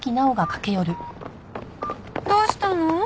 どうしたの？